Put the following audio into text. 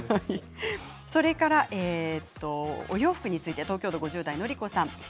それから、お洋服について東京都５０代の方です。